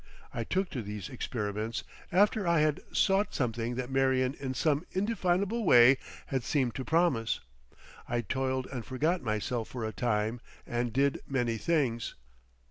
I took to these experiments after I had sought something that Marion in some indefinable way had seemed to promise. I toiled and forgot myself for a time, and did many things.